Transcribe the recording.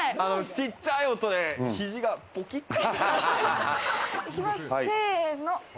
ちっちゃい音で肘がポキって。